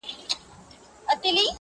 چاره څه ده بس زموږ دغه زندګي ده -